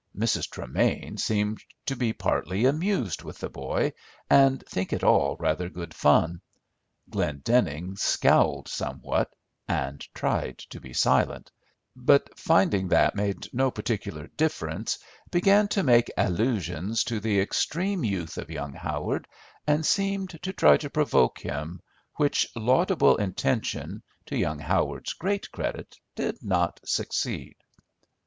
Mrs. Tremain seemed to be partly amused with the boy, and think it all rather good fun. Glendenning scowled somewhat, and tried to be silent; but, finding that made no particular difference, began to make allusions to the extreme youth of young Howard, and seemed to try to provoke him, which laudable intention, to young Howard's great credit, did not succeed.